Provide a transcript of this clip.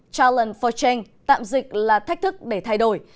challenge for change tạm dịch là thách thức để thay đổi